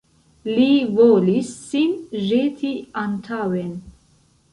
Li volis sin ĵeti antaŭen.